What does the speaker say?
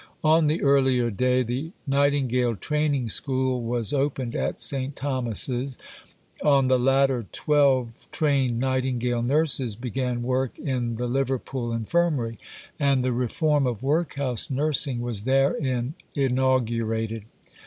On the earlier day the Nightingale Training School was opened at St. Thomas's; on the latter twelve trained Nightingale nurses began work in the Liverpool Infirmary, and the reform of workhouse nursing was therein inaugurated.